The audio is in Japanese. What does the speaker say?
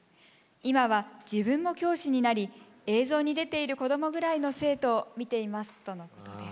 今は自分も教師になり映像に出ている子どもぐらいの生徒を見ていますとのことです。